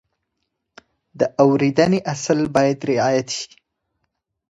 د اورېدنې اصل باید رعایت شي.